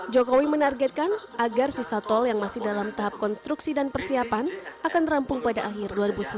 jokowi menargetkan agar sisa tol yang masih dalam tahap konstruksi dan persiapan akan rampung pada akhir dua ribu sembilan belas